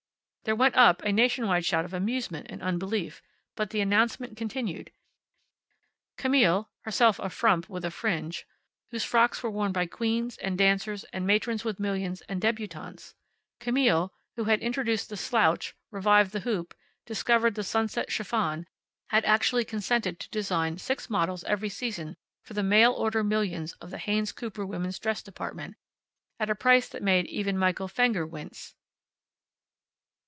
There went up a nationwide shout of amusement and unbelief, but the announcement continued. Camille (herself a frump with a fringe) whose frocks were worn by queens, and dancers and matrons with millions, and debutantes; Camille, who had introduced the slouch, revived the hoop, discovered the sunset chiffon, had actually consented to design six models every season for the mail order millions of the Haynes Cooper women's dress department at a price that made even Michael Fenger wince.